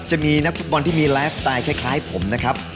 จะมีนักฟุตบอลที่มีไลฟ์สไตล์คล้ายผมนะครับ